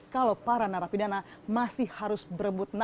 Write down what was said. kalau para narapidana masih harus berebut